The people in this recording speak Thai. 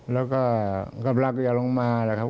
แล้วก็กำลังจะลงมานะครับ